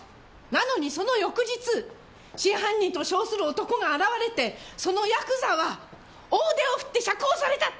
なのにその翌日真犯人と称する男が現れてそのヤクザは大手を振って釈放された！